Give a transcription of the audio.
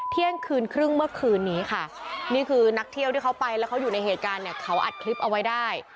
เที่ยงคืนครึ่งเมื่อคืนนี้ค่ะนี่คือนักเที่ยวที่เขาไปแล้วเขาอยู่ในเหตุการณ์เนี่ยเขาอัดคลิปเอาไว้ได้